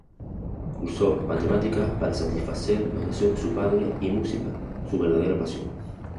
Cursó matemáticas para satisfacer los deseos de su padre y música, su verdadera pasión.